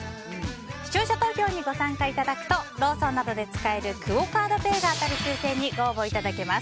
視聴者投票にご参加いただくとローソンなどで使えるクオ・カードペイが当たる抽選にご応募いただけます。